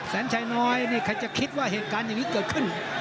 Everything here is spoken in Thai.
แสนชายน้อยนี่ใครจะคิดว่าเหตุการณ์อย่างนี้เกิดขึ้น